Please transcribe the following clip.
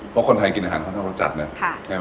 เพราะคนไทยกินอาหารค่อนข้างรสจัดนะใช่ไหม